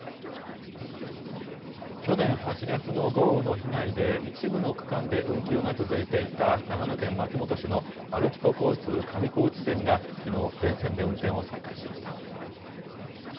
去年８月の豪雨の被害で、一部の区間で運休が続いていた、長野県松本市のアルピコ交通上高地線がきのう、全線で運転を再開しました。